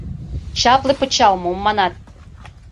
— Чапле пычал, мом манат!..